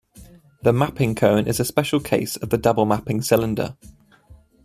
The mapping cone is a special case of the double mapping cylinder.